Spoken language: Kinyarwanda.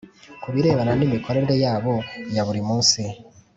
Ku birebana n imikorere yabo ya buri munsi